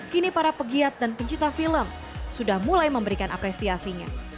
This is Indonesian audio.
kini para pegiat dan pencipta film sudah mulai memberikan apresiasinya